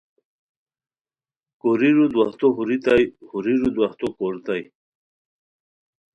کوریرو دواہتو ہوریتائے ہوریرو دواہتو کوریتائے